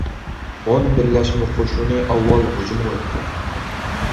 ھون بىرلەشمە قوشۇنى ئاۋۋال ھۇجۇمغا ئۆتكەن.